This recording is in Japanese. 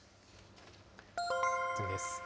次です。